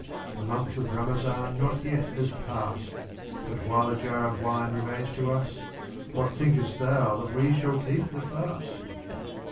The month of Ramazitn^'^ not yet has passed, — But while a Jar of Wine remains to us — What thinkest Thou that we shall keep the Fast?